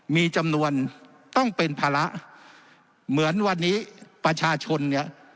มีจำนวนต้องเป็นภาระเหมือนวันนี้ประชาชนเนี่ย